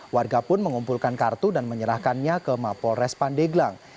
warga pun mengumpulkan kartu dan menyerahkannya ke mapolres pandeglang